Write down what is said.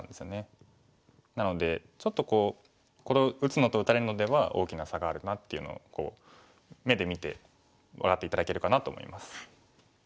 なのでちょっとこうこれを打つのと打たれるのでは大きな差があるなっていうのを目で見て分かって頂けるかなと思います。